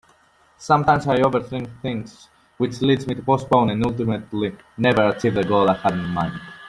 Sometimes I overthink things which leads me to postpone and ultimately never achieve the goal I had in mind.